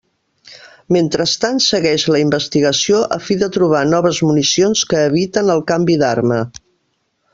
Mentrestant segueix la investigació a fi de trobar noves municions que eviten el canvi d'arma.